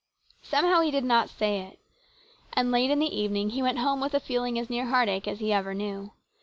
Somehow he did not say it. And late in the evening he went home with a feeling as near heartache as he ever knew.